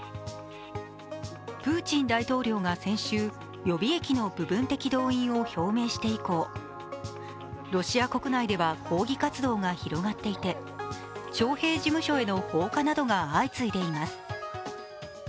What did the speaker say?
プーチン大統領が先週、予備役の部分的動員を表明して以降ロシア国内では抗議活動が広がっていて徴兵事務所への放火などが相次いでいます。